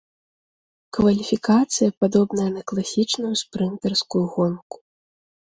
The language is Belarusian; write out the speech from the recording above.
Кваліфікацыя падобная на класічную спрынтарскую гонку.